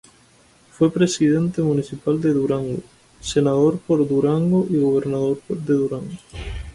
Fue Presidente Municipal de Durango, Senador por Durango y Gobernador de Durango.